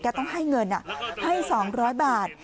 ต้องให้เงินให้๒๐๐บาท